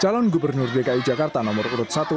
calon gubernur dki jakarta nomor urut satu